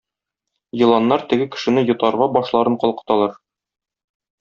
Еланнар теге кешене йотарга башларын калкыталар.